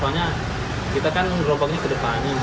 soalnya kita kan rombaknya ke depannya